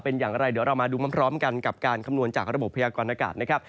เป็นอย่างไรเดี๋ยวเรามาดูพร้อมกันกับการคำนวณจากระบบพยากรณากาศนะครับ